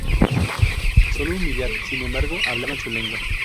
Sólo un millar, sin embargo, hablaban su lengua.